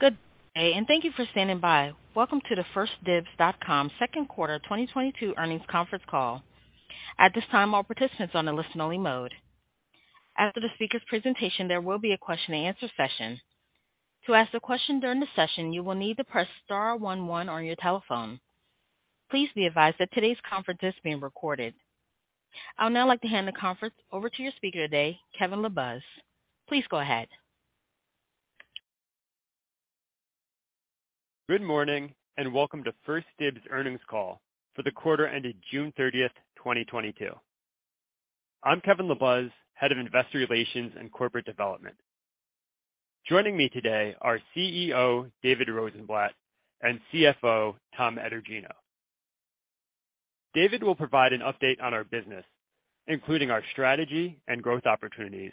Good day, and thank you for standing by. Welcome to the 1stDibs.com second quarter 2022 earnings conference call. At this time, all participants on a listen-only mode. After the speaker's presentation, there will be a question and answer session. To ask a question during the session, you will need to press star one one on your telephone. Please be advised that today's conference is being recorded. I'll now like to hand the conference over to your speaker today, Kevin LaBuz. Please go ahead. Good morning and welcome to 1stDibs earnings call for the quarter ended June 30, 2022. I'm Kevin LaBuz, Head of Investor Relations and Corporate Development. Joining me today are CEO David Rosenblatt and CFO Thomas Etergino. David will provide an update on our business, including our strategy and growth opportunities,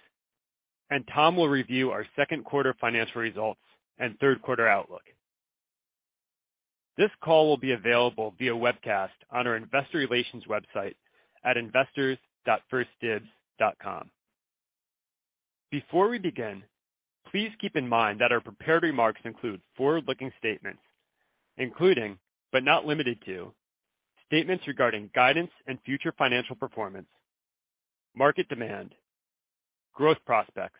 and Tom will review our second quarter financial results and third quarter outlook. This call will be available via webcast on our investor relations website at investors.1stdibs.com. Before we begin, please keep in mind that our prepared remarks include forward-looking statements, including but not limited to statements regarding guidance and future financial performance, market demand, growth prospects,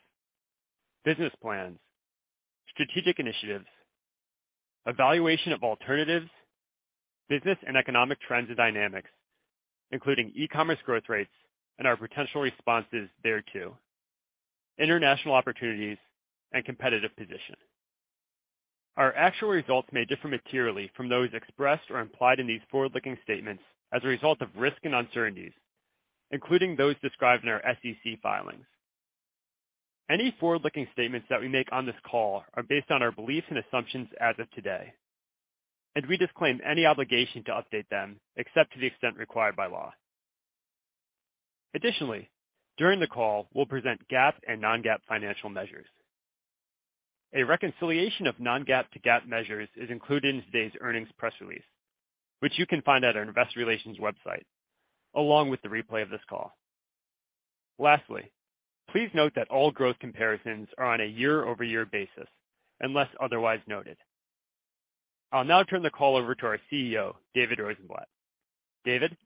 business plans, strategic initiatives, evaluation of alternatives, business and economic trends and dynamics, including e-commerce growth rates and our potential responses thereto, international opportunities and competitive position. Our actual results may differ materially from those expressed or implied in these forward-looking statements as a result of risks and uncertainties, including those described in our SEC filings. Any forward-looking statements that we make on this call are based on our beliefs and assumptions as of today, and we disclaim any obligation to update them except to the extent required by law. Additionally, during the call, we'll present GAAP and non-GAAP financial measures. A reconciliation of non-GAAP to GAAP measures is included in today's earnings press release, which you can find at our investor relations website, along with the replay of this call. Lastly, please note that all growth comparisons are on a year-over-year basis unless otherwise noted. I'll now turn the call over to our CEO, David Rosenblatt. David.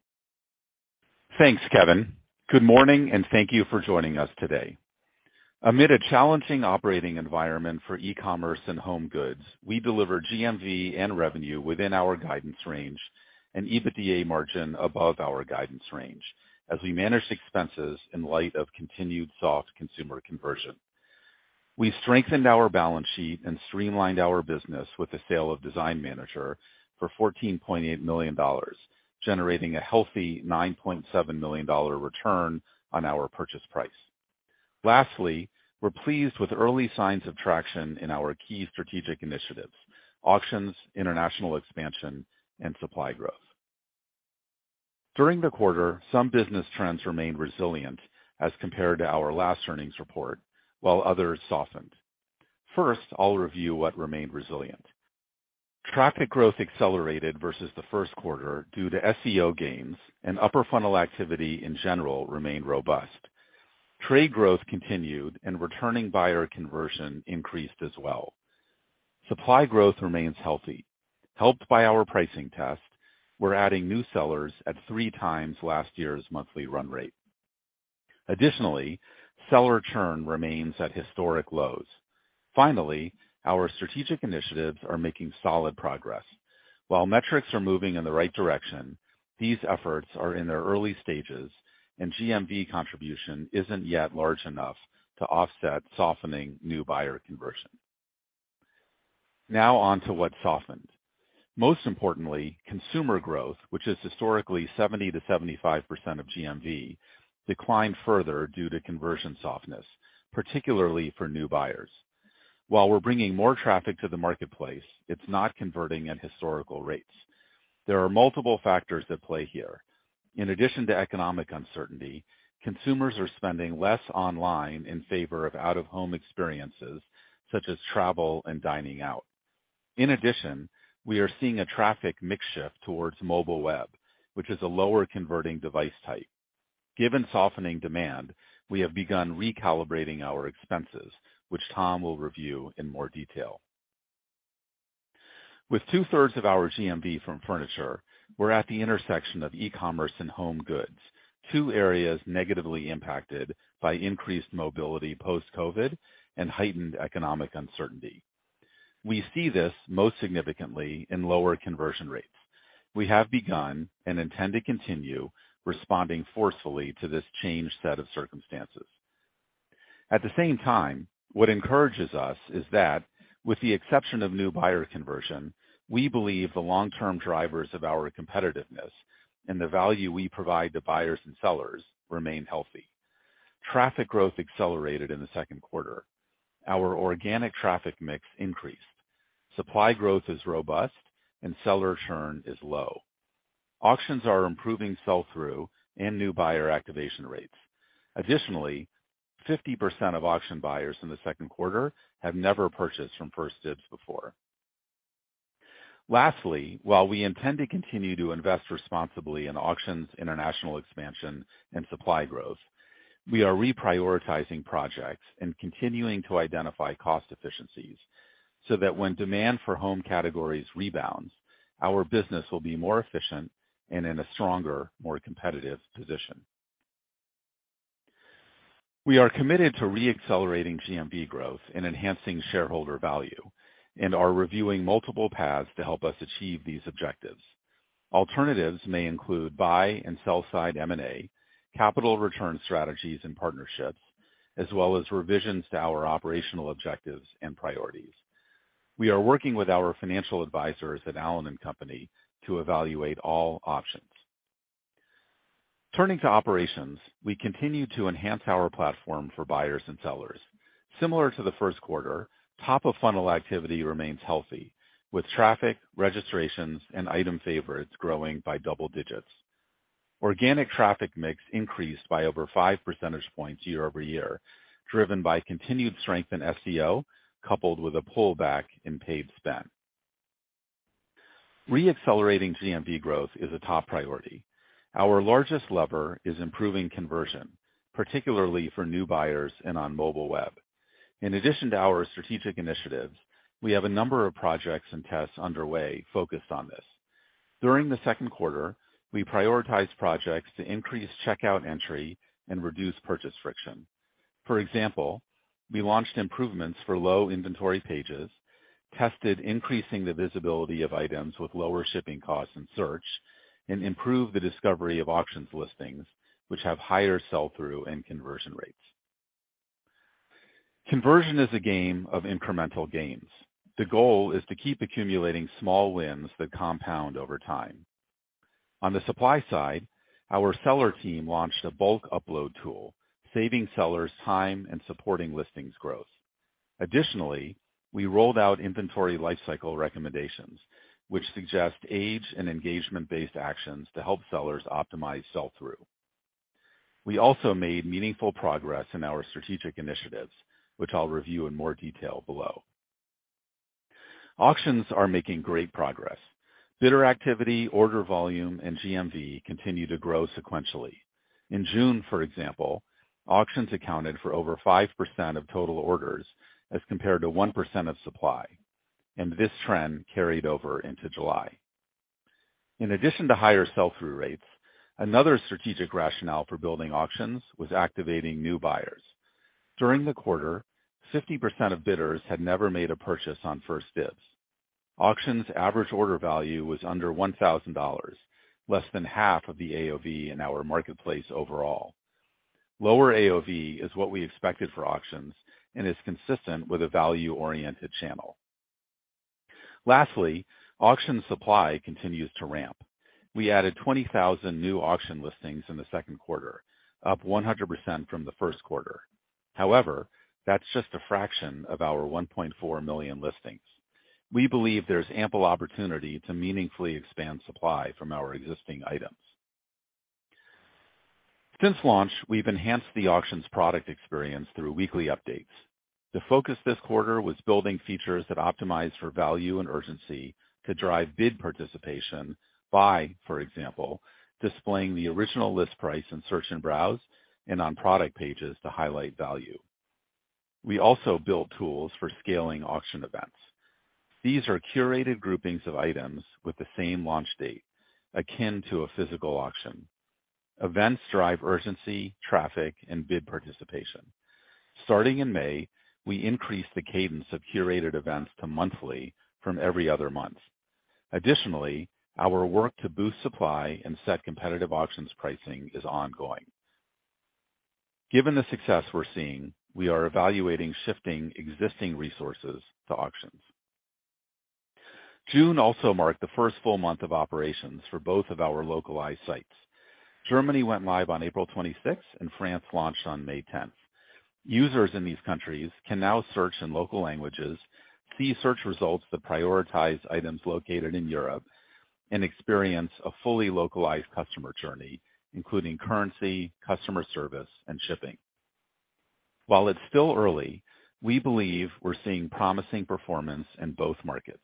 Thanks, Kevin. Good morning and thank you for joining us today. Amid a challenging operating environment for e-commerce and home goods, we deliver GMV and revenue within our guidance range and EBITDA margin above our guidance range as we manage expenses in light of continued soft consumer conversion. We strengthened our balance sheet and streamlined our business with the sale of Design Manager for $14.8 million, generating a healthy $9.7 million return on our purchase price. Lastly, we're pleased with early signs of traction in our key strategic initiatives, auctions, international expansion, and supply growth. During the quarter, some business trends remained resilient as compared to our last earnings report, while others softened. First, I'll review what remained resilient. Traffic growth accelerated versus the first quarter due to SEO gains and upper funnel activity in general remained robust. Trade growth continued and returning buyer conversion increased as well. Supply growth remains healthy. Helped by our pricing test, we're adding new sellers at 3x last year's monthly run rate. Additionally, seller churn remains at historic lows. Finally, our strategic initiatives are making solid progress. While metrics are moving in the right direction, these efforts are in their early stages and GMV contribution isn't yet large enough to offset softening new buyer conversion. Now on to what softened. Most importantly, consumer growth, which is historically 70%-75% of GMV, declined further due to conversion softness, particularly for new buyers. While we're bringing more traffic to the marketplace, it's not converting at historical rates. There are multiple factors at play here. In addition to economic uncertainty, consumers are spending less online in favor of out-of-home experiences such as travel and dining out. In addition, we are seeing a traffic mix shift towards mobile web, which is a lower converting device type. Given softening demand, we have begun recalibrating our expenses, which Tom will review in more detail. With 2/3 of our GMV from furniture, we're at the intersection of e-commerce and home goods, two areas negatively impacted by increased mobility post-COVID and heightened economic uncertainty. We see this most significantly in lower conversion rates. We have begun and intend to continue responding forcefully to this changed set of circumstances. At the same time, what encourages us is that with the exception of new buyer conversion, we believe the long-term drivers of our competitiveness and the value we provide to buyers and sellers remain healthy. Traffic growth accelerated in the second quarter. Our organic traffic mix increased. Supply growth is robust and seller churn is low. Auctions are improving sell-through and new buyer activation rates. Additionally, 50% of auction buyers in the second quarter have never purchased from 1stDibs before. Lastly, while we intend to continue to invest responsibly in auctions, international expansion and supply growth, we are reprioritizing projects and continuing to identify cost efficiencies so that when demand for home categories rebounds, our business will be more efficient and in a stronger, more competitive position. We are committed to re-accelerating GMV growth and enhancing shareholder value and are reviewing multiple paths to help us achieve these objectives. Alternatives may include buy and sell side M&A, capital return strategies and partnerships, as well as revisions to our operational objectives and priorities. We are working with our financial advisors at Allen & Company to evaluate all options. Turning to operations, we continue to enhance our platform for buyers and sellers. Similar to the first quarter, top of funnel activity remains healthy, with traffic, registrations, and item favorites growing by double digits. Organic traffic mix increased by over 5 percentage points year-over-year, driven by continued strength in SEO coupled with a pullback in paid spend. Re-accelerating GMV growth is a top priority. Our largest lever is improving conversion, particularly for new buyers and on mobile web. In addition to our strategic initiatives, we have a number of projects and tests underway focused on this. During the second quarter, we prioritized projects to increase checkout entry and reduce purchase friction. For example, we launched improvements for low inventory pages, tested increasing the visibility of items with lower shipping costs and search, and improved the discovery of auctions listings which have higher sell through and conversion rates. Conversion is a game of incremental gains. The goal is to keep accumulating small wins that compound over time. On the supply side, our seller team launched a bulk upload tool, saving sellers time and supporting listings growth. Additionally, we rolled out inventory lifecycle recommendations, which suggest age and engagement-based actions to help sellers optimize sell through. We also made meaningful progress in our strategic initiatives, which I'll review in more detail below. Auctions are making great progress. Bidder activity, order volume and GMV continue to grow sequentially. In June, for example, auctions accounted for over 5% of total orders as compared to 1% of supply, and this trend carried over into July. In addition to higher sell through rates, another strategic rationale for building auctions was activating new buyers. During the quarter, 50% of bidders had never made a purchase on 1stDibs. Auction's average order value was under $1,000, less than half of the AOV in our marketplace overall. Lower AOV is what we expected for auctions and is consistent with a value-oriented channel. Lastly, auction supply continues to ramp. We added 20,000 new auction listings in the second quarter, up 100% from the first quarter. However, that's just a fraction of our 1.4 million listings. We believe there's ample opportunity to meaningfully expand supply from our existing items. Since launch, we've enhanced the auctions product experience through weekly updates. The focus this quarter was building features that optimize for value and urgency to drive bid participation by, for example, displaying the original list price in search and browse and on product pages to highlight value. We also build tools for scaling auction events. These are curated groupings of items with the same launch date, akin to a physical auction. Events drive urgency, traffic, and bid participation. Starting in May, we increased the cadence of curated events to monthly from every other month. Additionally, our work to boost supply and set competitive auctions pricing is ongoing. Given the success we're seeing, we are evaluating shifting existing resources to auctions. June also marked the first full month of operations for both of our localized sites. Germany went live on April 26th and France launched on May 10th. Users in these countries can now search in local languages, see search results that prioritize items located in Europe, and experience a fully localized customer journey, including currency, customer service, and shipping. While it's still early, we believe we're seeing promising performance in both markets.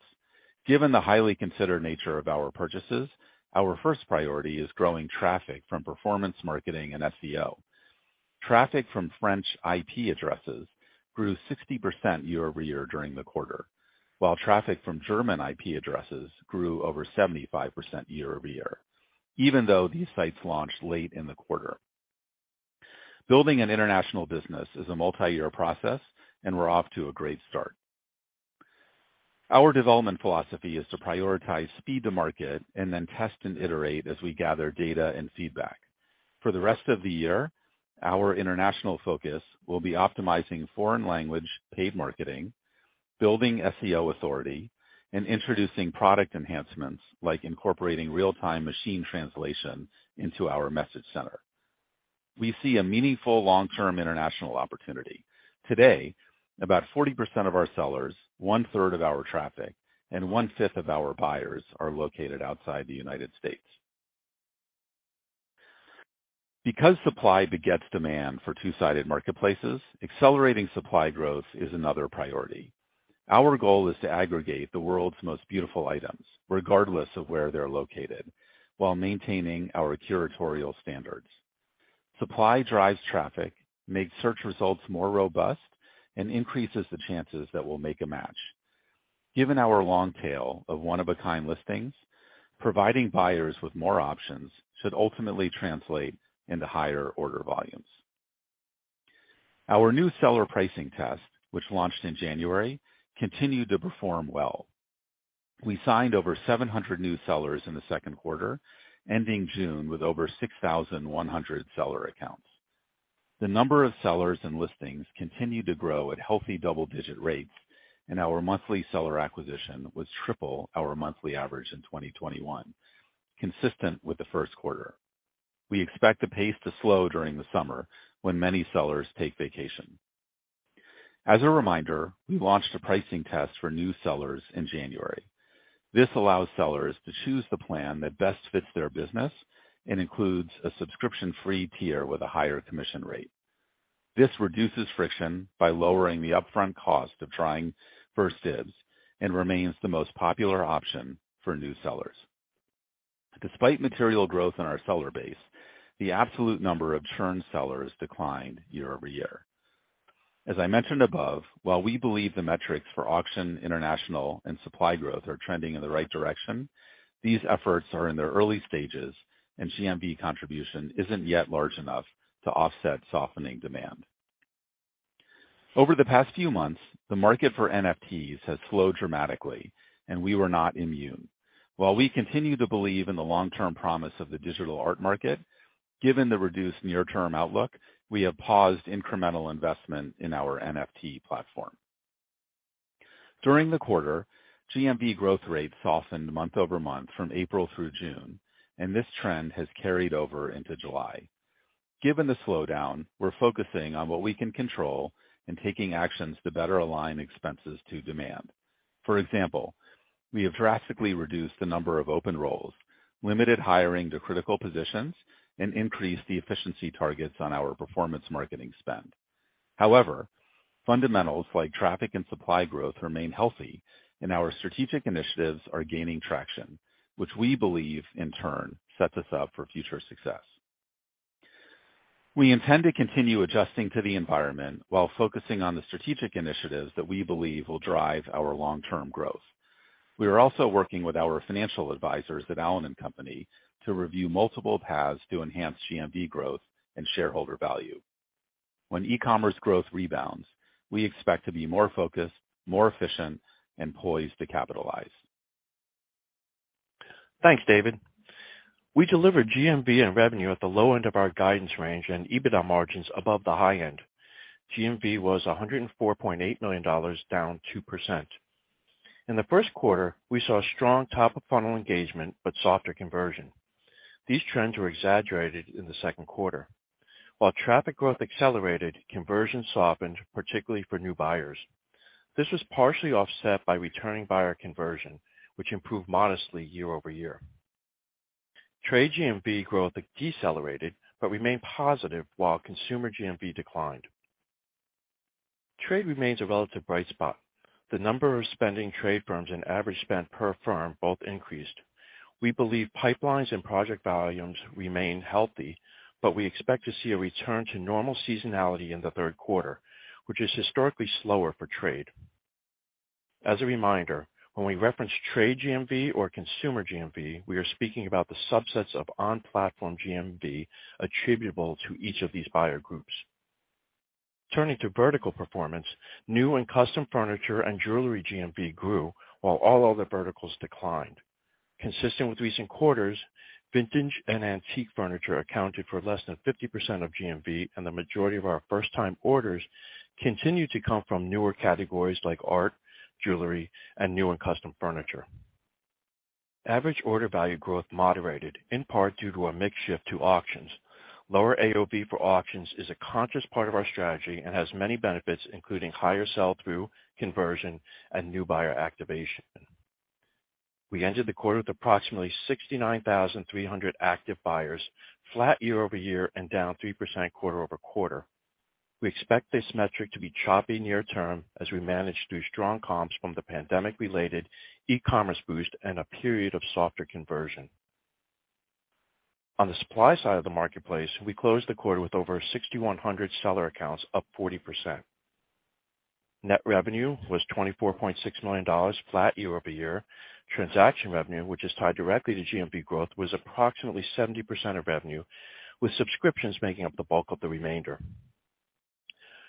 Given the highly considered nature of our purchases, our first priority is growing traffic from performance marketing and SEO. Traffic from French IP addresses grew 60% year-over-year during the quarter, while traffic from German IP addresses grew over 75% year-over-year even though these sites launched late in the quarter. Building an international business is a multi-year process, and we're off to a great start. Our development philosophy is to prioritize speed to market and then test and iterate as we gather data and feedback. For the rest of the year, our international focus will be optimizing foreign language paid marketing, building SEO authority, and introducing product enhancements like incorporating real-time machine translation into our message center. We see a meaningful long-term international opportunity. Today, about 40% of our sellers, 1/3 of our traffic, and 1/5 of our buyers are located outside the United States. Because supply begets demand for two-sided marketplaces, accelerating supply growth is another priority. Our goal is to aggregate the world's most beautiful items, regardless of where they're located, while maintaining our curatorial standards. Supply drives traffic, makes search results more robust, and increases the chances that we'll make a match. Given our long tail of one-of-a-kind listings, providing buyers with more options should ultimately translate into higher order volumes. Our new seller pricing test, which launched in January, continued to perform well. We signed over 700 new sellers in the second quarter, ending June with over 6,100 seller accounts. The number of sellers and listings continued to grow at healthy double-digit rates, and our monthly seller acquisition was triple our monthly average in 2021, consistent with the first quarter. We expect the pace to slow during the summer when many sellers take vacation. As a reminder, we launched a pricing test for new sellers in January. This allows sellers to choose the plan that best fits their business and includes a subscription-free tier with a higher commission rate. This reduces friction by lowering the upfront cost of trying 1stDibs and remains the most popular option for new sellers. Despite material growth in our seller base, the absolute number of churned sellers declined year-over-year. As I mentioned above, while we believe the metrics for auction, international, and supply growth are trending in the right direction, these efforts are in their early stages, and GMV contribution isn't yet large enough to offset softening demand. Over the past few months, the market for NFTs has slowed dramatically, and we were not immune. While we continue to believe in the long-term promise of the digital art market, given the reduced near-term outlook, we have paused incremental investment in our NFT platform. During the quarter, GMV growth rates softened month-over-month from April through June, and this trend has carried over into July. Given the slowdown, we're focusing on what we can control and taking actions to better align expenses to demand. For example, we have drastically reduced the number of open roles, limited hiring to critical positions, and increased the efficiency targets on our performance marketing spend. However, fundamentals like traffic and supply growth remain healthy, and our strategic initiatives are gaining traction, which we believe, in turn, sets us up for future success. We intend to continue adjusting to the environment while focusing on the strategic initiatives that we believe will drive our long-term growth. We are also working with our financial advisors at Allen & Company to review multiple paths to enhance GMV growth and shareholder value. When e-commerce growth rebounds, we expect to be more focused, more efficient, and poised to capitalize. Thanks, David. We delivered GMV and revenue at the low end of our guidance range and EBITDA margins above the high end. GMV was $104.8 million, down 2%. In the first quarter, we saw strong top-of-funnel engagement but softer conversion. These trends were exaggerated in the second quarter. While traffic growth accelerated, conversion softened, particularly for new buyers. This was partially offset by returning buyer conversion, which improved modestly year-over-year. Trade GMV growth decelerated but remained positive, while consumer GMV declined. Trade remains a relative bright spot. The number of spending trade firms and average spend per firm both increased. We believe pipelines and project volumes remain healthy, but we expect to see a return to normal seasonality in the third quarter, which is historically slower for trade. As a reminder, when we reference trade GMV or consumer GMV, we are speaking about the subsets of on-platform GMV attributable to each of these buyer groups. Turning to vertical performance, new and custom furniture and jewelry GMV grew, while all other verticals declined. Consistent with recent quarters, vintage and antique furniture accounted for less than 50% of GMV, and the majority of our first-time orders continued to come from newer categories like art, jewelry, and new and custom furniture. Average order value growth moderated, in part due to a mix shift to auctions. Lower AOV for auctions is a conscious part of our strategy and has many benefits, including higher sell-through conversion and new buyer activation. We ended the quarter with approximately 69,300 active buyers, flat year-over-year and down 3% quarter-over-quarter. We expect this metric to be choppy near term as we manage through strong comps from the pandemic-related e-commerce boost and a period of softer conversion. On the supply side of the marketplace, we closed the quarter with over 6,100 seller accounts, up 40%. Net revenue was $24.6 million, flat year-over-year. Transaction revenue, which is tied directly to GMV growth, was approximately 70% of revenue, with subscriptions making up the bulk of the remainder.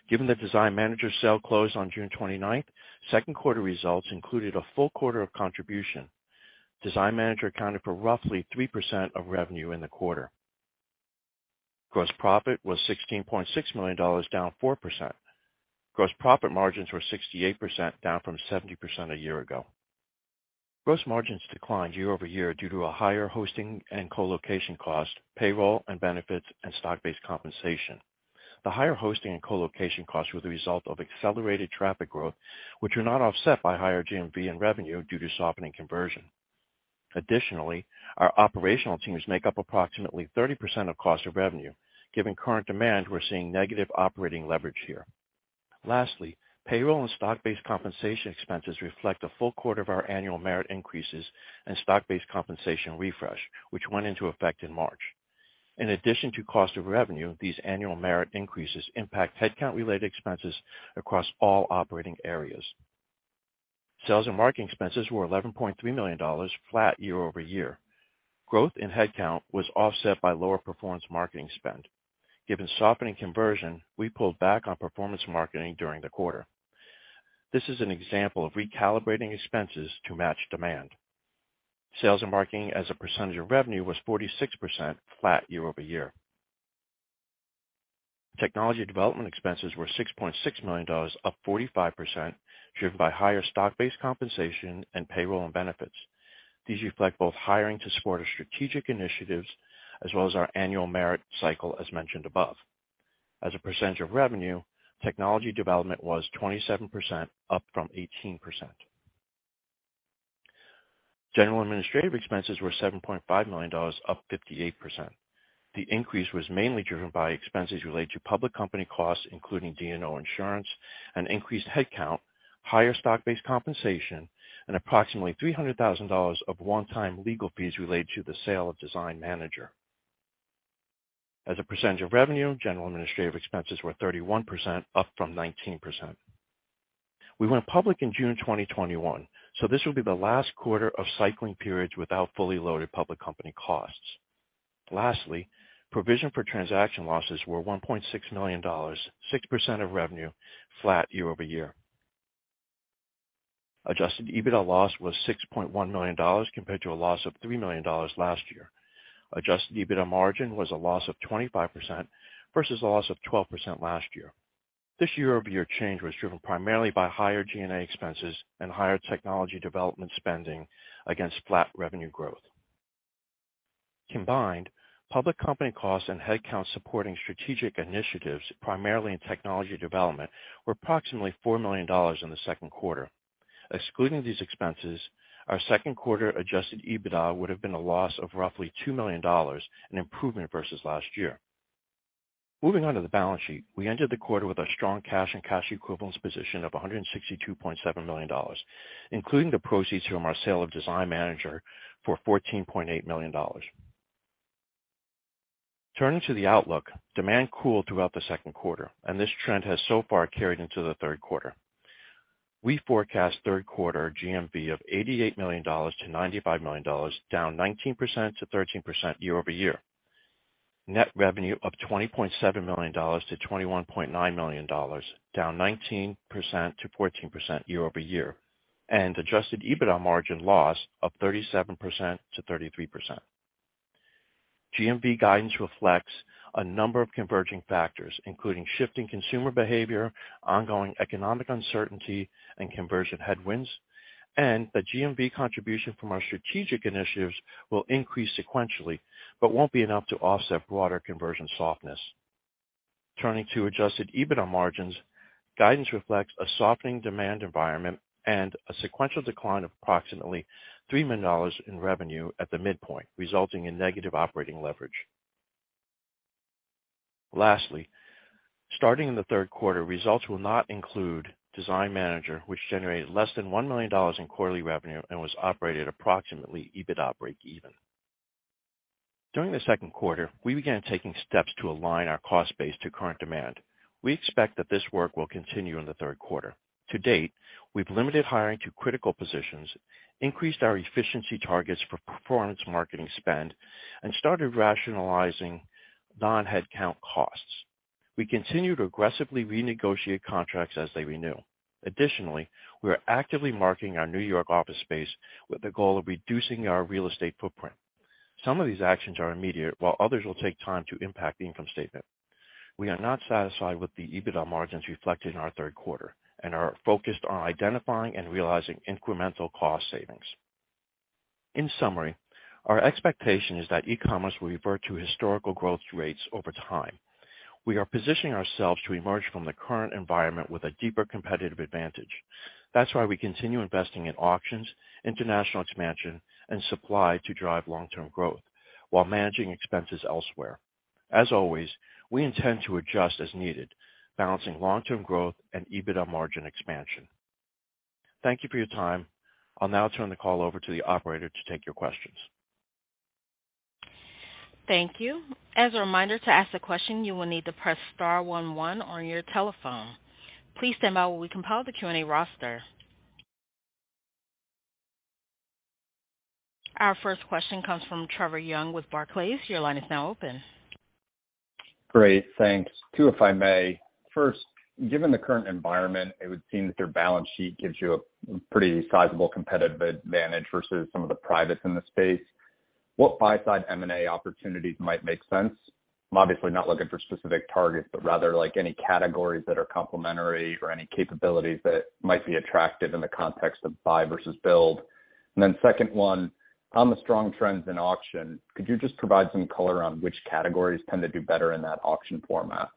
Given the Design Manager sale closed on June 29, second quarter results included a full quarter of contribution. Design Manager accounted for roughly 3% of revenue in the quarter. Gross profit was $16.6 million, down 4%. Gross profit margins were 68%, down from 70% a year ago. Gross margins declined year-over-year due to a higher hosting and colocation cost, payroll and benefits, and stock-based compensation. The higher hosting and colocation costs were the result of accelerated traffic growth, which were not offset by higher GMV and revenue due to softening conversion. Additionally, our operational teams make up approximately 30% of cost of revenue. Given current demand, we're seeing negative operating leverage here. Lastly, payroll and stock-based compensation expenses reflect a full quarter of our annual merit increases and stock-based compensation refresh, which went into effect in March. In addition to cost of revenue, these annual merit increases impact headcount related expenses across all operating areas. Sales and marketing expenses were $11.3 million, flat year-over-year. Growth in headcount was offset by lower performance marketing spend. Given softening conversion, we pulled back on performance marketing during the quarter. This is an example of recalibrating expenses to match demand. Sales and marketing as a percentage of revenue was 46%, flat year-over-year. Technology development expenses were $6.6 million, up 45%, driven by higher stock-based compensation and payroll and benefits. These reflect both hiring to support our strategic initiatives as well as our annual merit cycle, as mentioned above. As a percentage of revenue, technology development was 27%, up from 18%. General and administrative expenses were $7.5 million, up 58%. The increase was mainly driven by expenses related to public company costs, including D&O insurance and increased headcount, higher stock-based compensation, and approximately $300,000 of one-time legal fees related to the sale of Design Manager. As a percentage of revenue, general and administrative expenses were 31%, up from 19%. We went public in June 2021, so this will be the last quarter of cycling periods without fully loaded public company costs. Lastly, provision for transaction losses were $1.6 million, 6% of revenue, flat year-over-year. Adjusted EBITDA loss was $6.1 million compared to a loss of $3 million last year. Adjusted EBITDA margin was a loss of 25% versus a loss of 12% last year. This year-over-year change was driven primarily by higher G&A expenses and higher technology development spending against flat revenue growth. Combined, public company costs and headcount supporting strategic initiatives, primarily in technology development, were approximately $4 million in the second quarter. Excluding these expenses, our second quarter Adjusted EBITDA would have been a loss of roughly $2 million, an improvement versus last year. Moving on to the balance sheet. We entered the quarter with a strong cash and cash equivalents position of $162.7 million, including the proceeds from our sale of Design Manager for $14.8 million. Turning to the outlook, demand cooled throughout the second quarter, and this trend has so far carried into the third quarter. We forecast third quarter GMV of $88 million-$95 million, down 19%-13% year-over-year. Net revenue of $20.7 million-$21.9 million, down 19%-14% year-over-year, and Adjusted EBITDA margin loss of 37%-33%. GMV guidance reflects a number of converging factors, including shifting consumer behavior, ongoing economic uncertainty and conversion headwinds, and the GMV contribution from our strategic initiatives will increase sequentially, but won't be enough to offset broader conversion softness. Turning to Adjusted EBITDA margins, guidance reflects a softening demand environment and a sequential decline of approximately $3 million in revenue at the midpoint, resulting in negative operating leverage. Lastly, starting in the third quarter, results will not include Design Manager, which generated less than $1 million in quarterly revenue and was operated approximately EBITDA breakeven. During the second quarter, we began taking steps to align our cost base to current demand. We expect that this work will continue in the third quarter. To date, we've limited hiring to critical positions, increased our efficiency targets for performance marketing spend, and started rationalizing non-headcount costs. We continue to aggressively renegotiate contracts as they renew. Additionally, we are actively marketing our New York office space with the goal of reducing our real estate footprint. Some of these actions are immediate, while others will take time to impact the income statement. We are not satisfied with the EBITDA margins reflected in our third quarter and are focused on identifying and realizing incremental cost savings. In summary, our expectation is that e-commerce will revert to historical growth rates over time. We are positioning ourselves to emerge from the current environment with a deeper competitive advantage. That's why we continue investing in auctions, international expansion and supply to drive long-term growth while managing expenses elsewhere. As always, we intend to adjust as needed, balancing long-term growth and EBITDA margin expansion. Thank you for your time. I'll now turn the call over to the operator to take your questions. Thank you. As a reminder, to ask a question, you will need to press star one one on your telephone. Please stand by while we compile the Q&A roster. Our first question comes from Trevor Young with Barclays. Your line is now open. Great. Thanks. Two, if I may. First, given the current environment, it would seem that your balance sheet gives you a pretty sizable competitive advantage versus some of the privates in the space. What buy-side M&A opportunities might make sense? I'm obviously not looking for specific targets, but rather like any categories that are complementary or any capabilities that might be attractive in the context of buy versus build. Second one, on the strong trends in auction, could you just provide some color on which categories tend to do better in that auction format?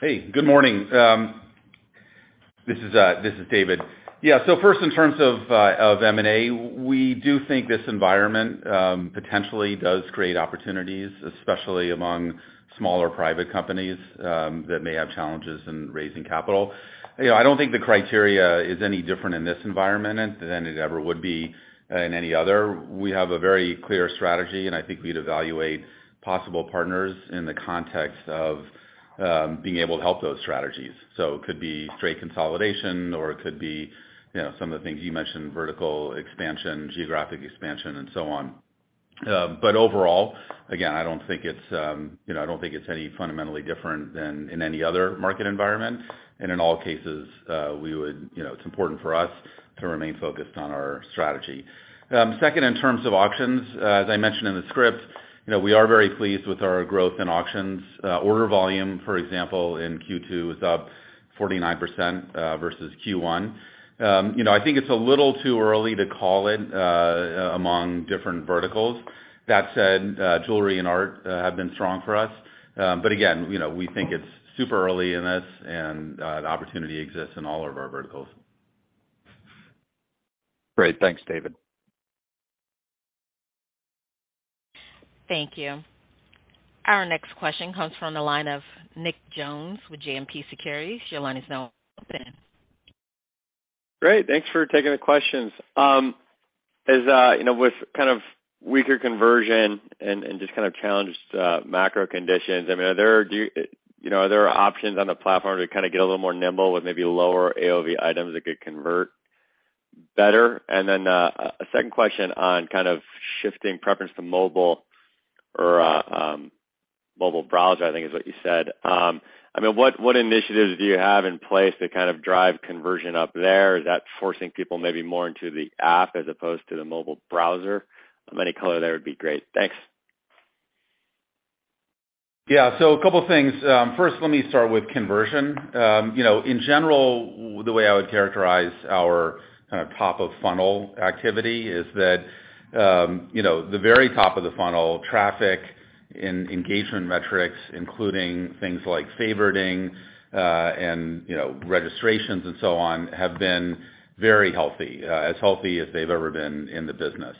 Hey, good morning. This is David. First in terms of M&A, we do think this environment potentially does create opportunities, especially among smaller private companies that may have challenges in raising capital. You know, I don't think the criteria is any different in this environment than it ever would be in any other. We have a very clear strategy, and I think we'd evaluate possible partners in the context of being able to help those strategies. It could be straight consolidation or it could be, you know, some of the things you mentioned, vertical expansion, geographic expansion, and so on. Overall, again, I don't think it's, you know, any fundamentally different than in any other market environment. In all cases, we would, you know, it's important for us to remain focused on our strategy. Second, in terms of auctions, as I mentioned in the script, you know, we are very pleased with our growth in auctions. Order volume, for example, in Q2, is up 49% versus Q1. You know, I think it's a little too early to call it among different verticals. That said, Jewelry and Art have been strong for us. Again, you know, we think it's super early in this and the opportunity exists in all of our verticals. Great. Thanks, David. Thank you. Our next question comes from the line of Nicholas Jones with JMP Securities. Your line is now open. Great, thanks for taking the questions. As you know, with kind of weaker conversion and just kind of challenged macro conditions, I mean, are there options on the platform to kind of get a little more nimble with maybe lower AOV items that could convert better? A second question on kind of shifting preference to mobile or mobile browser, I think, is what you said. I mean, what initiatives do you have in place to kind of drive conversion up there? Is that forcing people maybe more into the app as opposed to the mobile browser? Any color there would be great. Thanks. Yeah. A couple of things. First, let me start with conversion. You know, in general, the way I would characterize our kind of top of funnel activity is that, you know, the very top of the funnel traffic in engagement metrics, including things like favoriting, and, you know, registrations and so on, have been very healthy, as healthy as they've ever been in the business.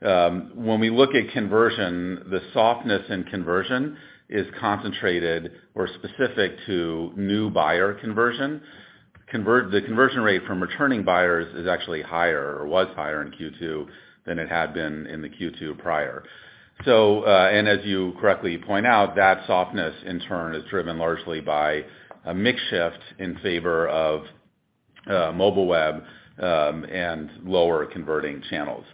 When we look at conversion, the softness in conversion is concentrated or specific to new buyer conversion. The conversion rate from returning buyers is actually higher or was higher in Q2 than it had been in the Q2 prior. As you correctly point out, that softness in turn is driven largely by a mix shift in favor of, mobile web, and lower converting channels.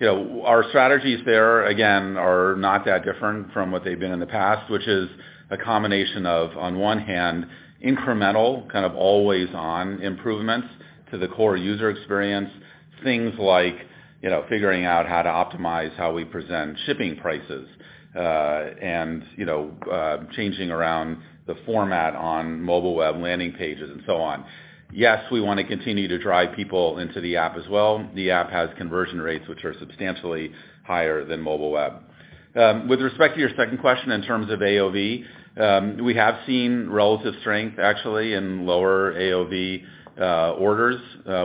You know, our strategies there, again, are not that different from what they've been in the past, which is a combination of, on one hand, incremental kind of always on improvements to the core user experience, things like, you know, figuring out how to optimize how we present shipping prices, and, you know, changing around the format on mobile web landing pages and so on. Yes, we want to continue to drive people into the app as well. The app has conversion rates which are substantially higher than mobile web. With respect to your second question, in terms of AOV, we have seen relative strength actually in lower AOV orders,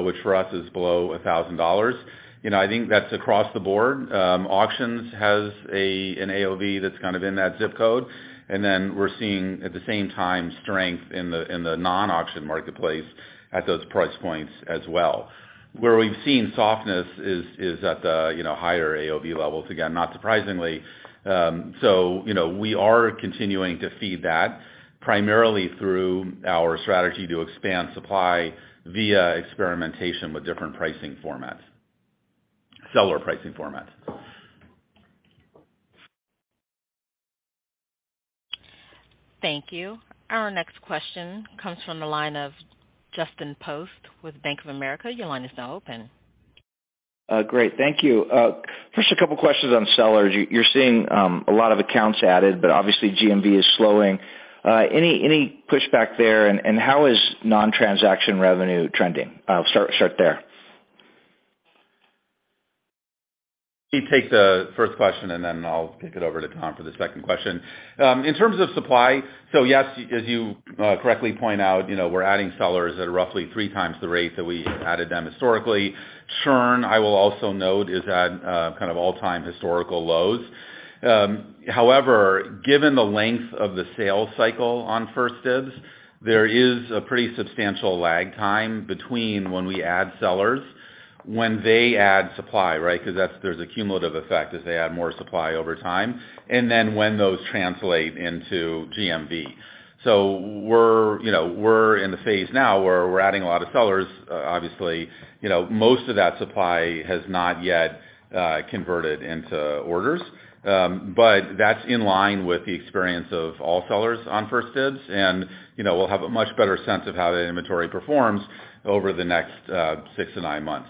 which for us is below $1,000. You know, I think that's across the board. Auctions has an AOV that's kind of in that ZIP code, and then we're seeing at the same time strength in the non-auction marketplace at those price points as well. Where we've seen softness is at the you know, higher AOV levels, again, not surprisingly. You know, we are continuing to feed that primarily through our strategy to expand supply via experimentation with different pricing formats, seller pricing formats. Thank you. Our next question comes from the line of Justin Post with Bank of America. Your line is now open. Great. Thank you. First, a couple of questions on sellers. You're seeing a lot of accounts added, but obviously GMV is slowing. Any pushback there? And how is non-transaction revenue trending? I'll start there. Let me take the first question, and then I'll kick it over to Tom for the second question. In terms of supply, yes, as you correctly point out, you know, we're adding sellers at roughly 3x the rate that we added them historically. Churn, I will also note, is at kind of all-time historical lows. However, given the length of the sales cycle on 1stDibs, there is a pretty substantial lag time between when we add sellers, when they add supply, right? There's a cumulative effect as they add more supply over time, and then when those translate into GMV. We're, you know, in the phase now where we're adding a lot of sellers. Obviously, you know, most of that supply has not yet converted into orders. That's in line with the experience of all sellers on 1stDibs. You know, we'll have a much better sense of how the inventory performs over the next 6-9 months.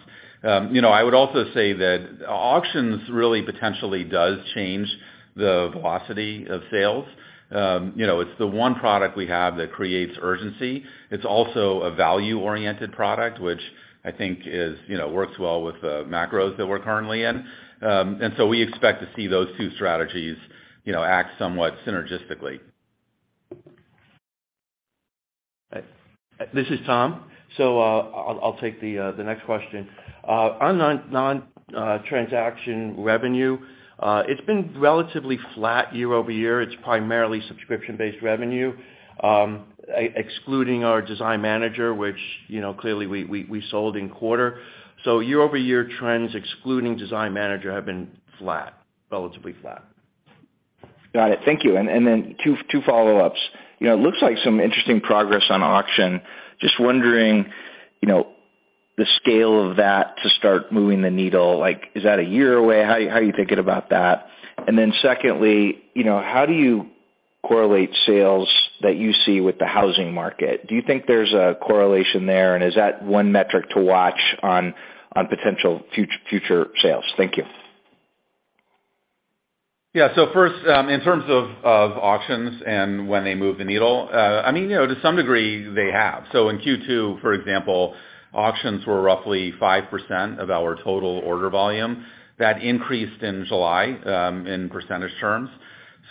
You know, I would also say that auctions really potentially does change the velocity of sales. You know, it's the one product we have that creates urgency. It's also a value-oriented product, which I think is, you know, works well with the macros that we're currently in. We expect to see those two strategies, you know, act somewhat synergistically. This is Tom. I'll take the next question. On non-transaction revenue, it's been relatively flat year-over-year. It's primarily subscription-based revenue, excluding our Design Manager, which, you know, clearly we sold in quarter. Year-over-year trends, excluding Design Manager, have been flat, relatively flat. Got it. Thank you. Two follow-ups. You know, it looks like some interesting progress on auction. Just wondering, you know, the scale of that to start moving the needle, like, is that a year away? How are you thinking about that? Secondly, you know, how do you correlate sales that you see with the housing market? Do you think there's a correlation there? Is that one metric to watch on potential future sales? Thank you. Yeah. First, in terms of auctions and when they move the needle, I mean, you know, to some degree they have. In Q2, for example, auctions were roughly 5% of our total order volume. That increased in July in percentage terms.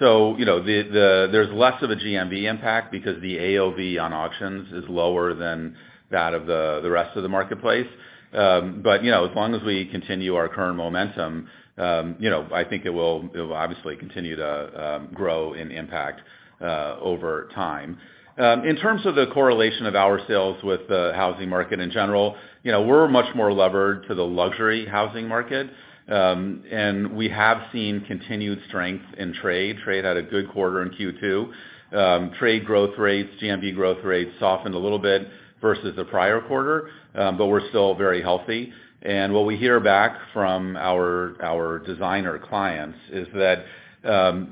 You know, there's less of a GMV impact because the AOV on auctions is lower than that of the rest of the marketplace. You know, as long as we continue our current momentum, you know, I think it will obviously continue to grow in impact over time. In terms of the correlation of our sales with the housing market in general, you know, we're much more levered to the luxury housing market, and we have seen continued strength in trade. Trade had a good quarter in Q2. Trade growth rates, GMV growth rates softened a little bit versus the prior quarter, but we're still very healthy. What we hear back from our designer clients is that,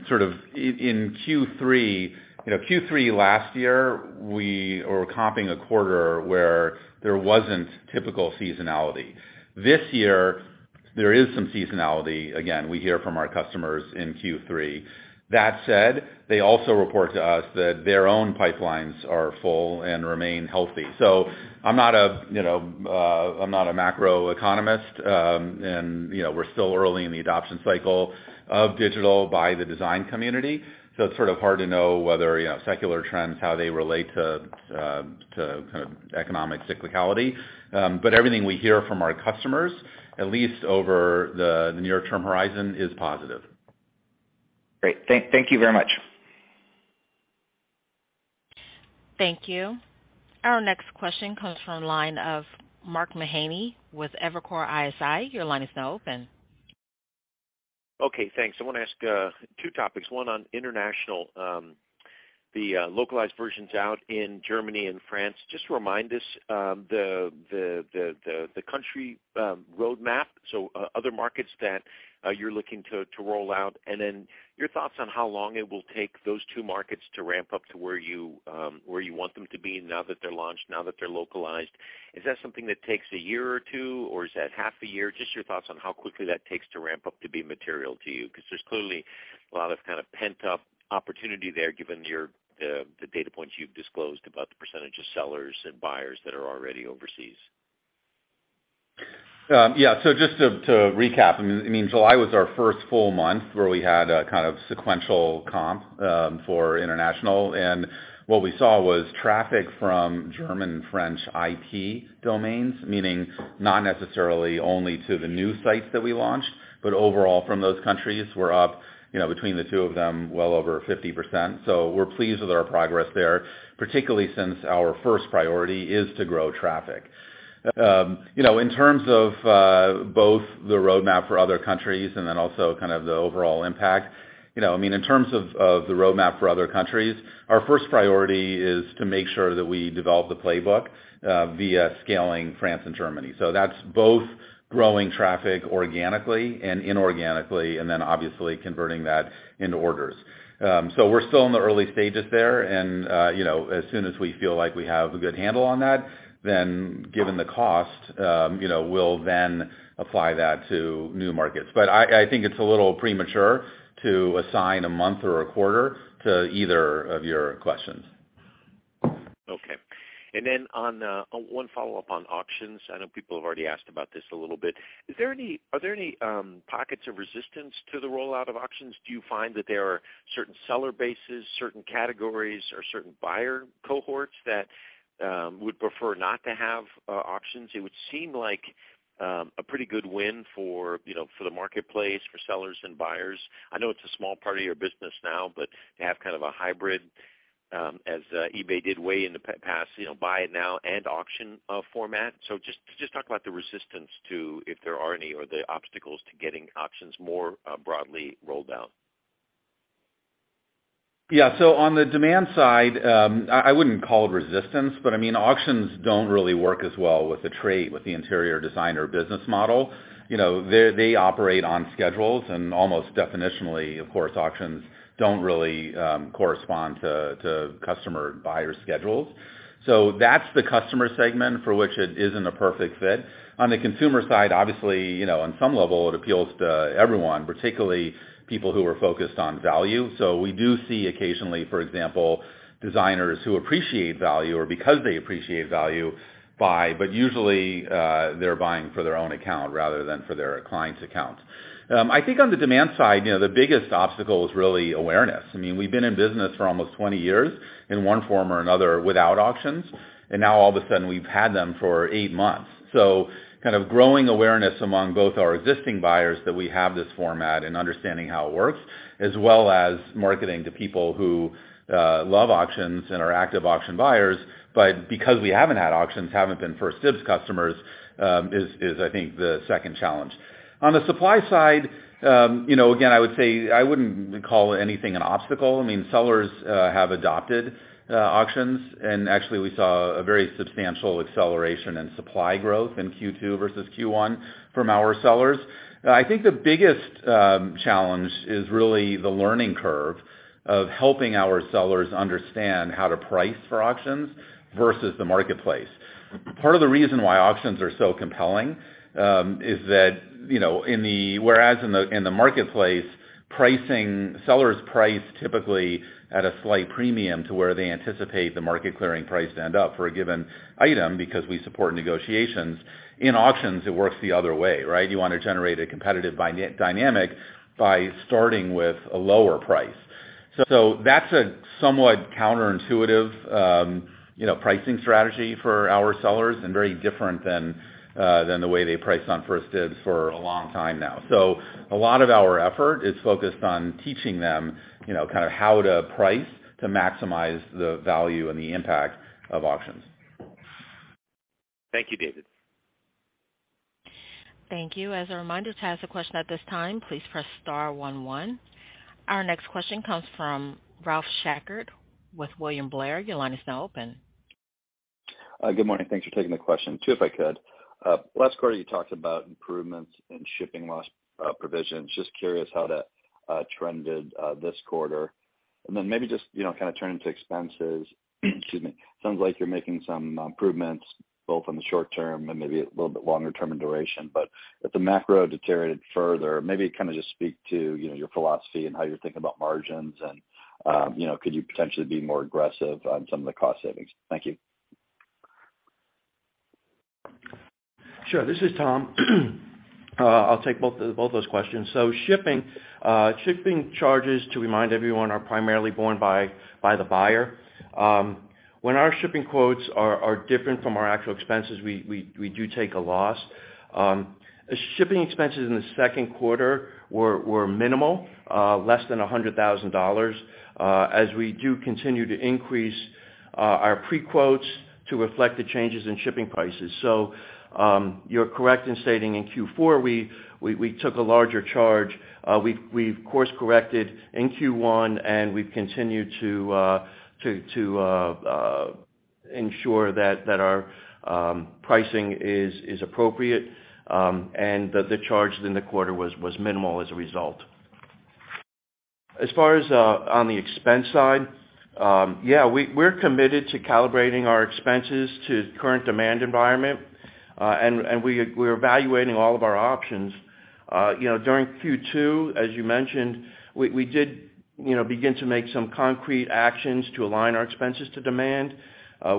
sort of in Q3, you know, Q3 last year, we were comping a quarter where there wasn't typical seasonality. This year, there is some seasonality. Again, we hear from our customers in Q3. That said, they also report to us that their own pipelines are full and remain healthy. I'm not a macroeconomist, and, you know, we're still early in the adoption cycle of digital by the design community. It's sort of hard to know whether, you know, secular trends, how they relate to kind of economic cyclicality. Everything we hear from our customers, at least over the near-term horizon, is positive. Great. Thank you very much. Thank you. Our next question comes from the line of Mark Mahaney with Evercore ISI. Your line is now open. Okay, thanks. I wanna ask two topics, one on international. The localized versions out in Germany and France, just remind us the country roadmap, so other markets that you're looking to roll out. Then your thoughts on how long it will take those two markets to ramp-up to where you want them to be now that they're launched, now that they're localized. Is that something that takes a year or two, or is that half a year? Just your thoughts on how quickly that takes to ramp up to be material to you. 'Cause there's clearly a lot of kind of pent-up opportunity there given your the data points you've disclosed about the percentage of sellers and buyers that are already overseas. Yeah. Just to recap, I mean, July was our first full month where we had a kind of sequential comp for international. What we saw was traffic from German, French IP domains, meaning not necessarily only to the new sites that we launched, but overall from those countries we're up, you know, between the two of them, well over 50%. We're pleased with our progress there, particularly since our first priority is to grow traffic. In terms of both the roadmap for other countries and then also kind of the overall impact, you know, I mean, in terms of the roadmap for other countries, our first priority is to make sure that we develop the playbook via scaling France and Germany. That's both growing traffic organically and inorganically, and then obviously converting that into orders. We're still in the early stages there and, you know, as soon as we feel like we have a good handle on that, then given the cost, you know, we'll then apply that to new markets. I think it's a little premature to assign a month or a quarter to either of your questions. Okay. On one follow-up on auctions, I know people have already asked about this a little bit. Are there any pockets of resistance to the rollout of auctions? Do you find that there are certain seller bases, certain categories, or certain buyer cohorts that would prefer not to have auctions? It would seem like a pretty good win for, you know, for the marketplace, for sellers and buyers. I know it's a small part of your business now, but to have kind of a hybrid, as eBay did way in the past, you know, Buy It Now and auction format. Just talk about the resistance to if there are any or the obstacles to getting auctions more broadly rolled out. Yeah. On the demand side, I wouldn't call it resistance, but I mean, auctions don't really work as well with the trade, with the interior designer business model. You know, they operate on schedules and almost definitionally, of course, auctions don't really correspond to customer buyer schedules. That's the customer segment for which it isn't a perfect fit. On the consumer side, obviously, you know, on some level it appeals to everyone, particularly people who are focused on value. We do see occasionally, for example, designers who appreciate value or because they appreciate value buy, but usually, they're buying for their own account rather than for their client's accounts. I think on the demand side, you know, the biggest obstacle is really awareness. I mean, we've been in business for almost 20 years in one form or another without auctions, and now all of a sudden we've had them for 8 months. Kind of growing awareness among both our existing buyers that we have this format and understanding how it works, as well as marketing to people who love auctions and are active auction buyers. Because we haven't had auctions, haven't been 1stDibs customers, is I think the second challenge. On the supply side, you know, again, I would say I wouldn't call anything an obstacle. I mean, sellers have adopted auctions, and actually we saw a very substantial acceleration in supply growth in Q2 versus Q1 from our sellers. I think the biggest challenge is really the learning curve of helping our sellers understand how to price for auctions versus the marketplace. Part of the reason why auctions are so compelling is that, you know, in the marketplace pricing, sellers price typically at a slight premium to where they anticipate the market clearing price to end up for a given item because we support negotiations. In auctions, it works the other way, right? You wanna generate a competitive bidding dynamic by starting with a lower price. That's a somewhat counterintuitive, you know, pricing strategy for our sellers and very different than the way they priced on 1stDibs for a long time now. A lot of our effort is focused on teaching them, you know, kind of how to price to maximize the value and the impact of auctions. Thank you, David. Thank you. As a reminder, to ask a question at this time, please press star one one. Our next question comes from Ralph Schackart with William Blair. Your line is now open. Good morning. Thanks for taking the question. Two, if I could. Last quarter you talked about improvements in shipping loss provisions. Just curious how that trended this quarter. Then maybe just, you know, kind of turn into expenses. Excuse me. Sounds like you're making some improvements both in the short term and maybe a little bit longer term in duration. If the macro deteriorated further, maybe kind of just speak to, you know, your philosophy and how you're thinking about margins and, you know, could you potentially be more aggressive on some of the cost savings? Thank you. Sure. This is Tom. I'll take both those questions. Shipping charges, to remind everyone, are primarily borne by the buyer. When our shipping quotes are different from our actual expenses, we do take a loss. Shipping expenses in the second quarter were minimal, less than $100,000, as we do continue to increase our pre-quotes to reflect the changes in shipping prices. You're correct in stating in Q4 we took a larger charge. We've course corrected in Q1 and we've continued to ensure that our pricing is appropriate, and that the charge in the quarter was minimal as a result. As far as on the expense side, yeah, we're committed to calibrating our expenses to current demand environment, and we're evaluating all of our options. You know, during Q2, as you mentioned, we did you know begin to make some concrete actions to align our expenses to demand.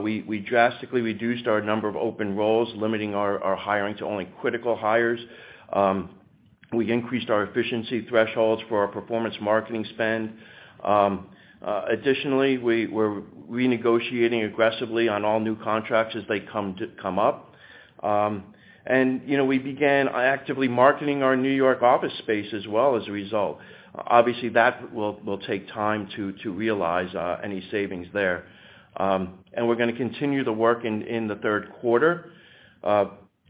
We drastically reduced our number of open roles, limiting our hiring to only critical hires. We increased our efficiency thresholds for our performance marketing spend. Additionally, we're renegotiating aggressively on all new contracts as they come up. You know, we began actively marketing our New York office space as well as a result. Obviously, that will take time to realize any savings there. We're gonna continue the work in the third quarter.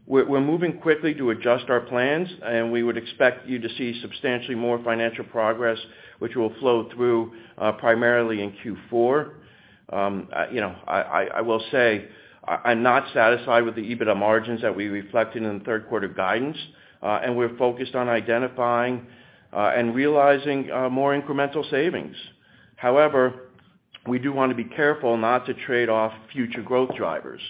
We're moving quickly to adjust our plans, and we would expect you to see substantially more financial progress, which will flow through, primarily in Q4. You know, I will say I'm not satisfied with the EBITDA margins that we reflected in the third quarter guidance, and we're focused on identifying, and realizing, more incremental savings. However, we do wanna be careful not to trade off future growth drivers.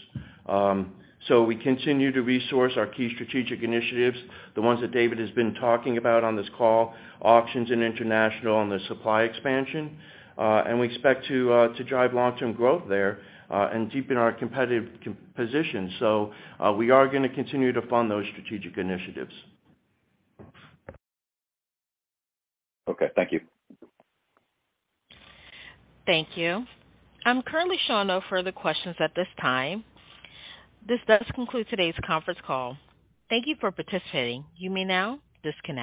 We continue to resource our key strategic initiatives, the ones that David has been talking about on this call, auctions and international and the supply expansion, and we expect to drive long-term growth there, and deepen our competitive position. We are gonna continue to fund those strategic initiatives. Okay. Thank you. Thank you. I'm currently showing no further questions at this time. This does conclude today's conference call. Thank you for participating. You may now disconnect.